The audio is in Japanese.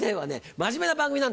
真面目な番組なんですよ。